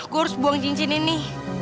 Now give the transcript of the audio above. gue harus buang cincin ini